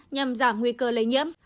nhằm giảm nguy cơ lây nhiễm